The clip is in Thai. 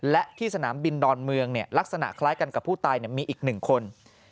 และที่สนามบินดอนเมืองลักษณะคล้ายกันกับผู้ตายมีอีก๑คน